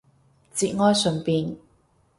節哀順變